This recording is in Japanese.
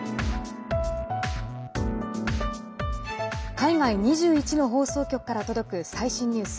海外２１の放送局から届く最新ニュース。